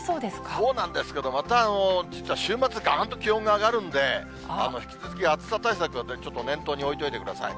そうなんですけど、また実は週末、がーんと気温が上がるんで、引き続き暑さ対策を、ちょっと念頭に置いておいてください。